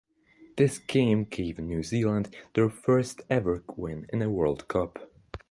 This game gave New Zealand their first ever win in a World Cup.